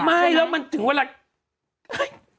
ไม่แล้วมันถึงว่าอะไร